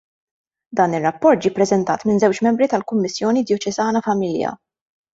Dan ir-rapport ġie ppreżentat minn żewġ membri tal-Kummissjoni Djoċesana Familja.